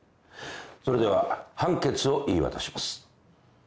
それでは判決を言い渡します。